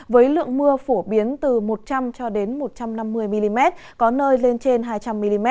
với lượng mưa phổ biến từ một trăm linh cho đến một trăm năm mươi mm có nơi lên trên hai trăm linh mm